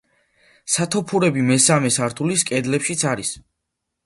სათოფურები მესამე სართულის კედლებშიც არის.